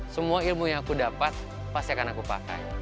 semua ilmu yang aku dapat pasti akan aku pakai